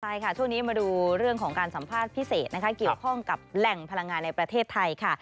ใช่ค่ะช่วงนี้มาดูเรื่องของการสัมภาษณ์พิเศษนะคะเกี่ยวข้องกับแหล่งพลังงานในประเทศไทยค่ะ